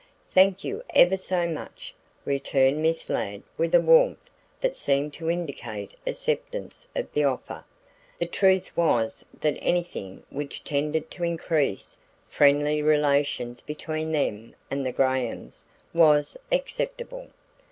"Thank you ever so much," returned Miss Ladd with a warmth that seemed to indicate acceptance of the offer. The truth was that anything which tended to increase friendly relations between them and the Grahams was acceptable.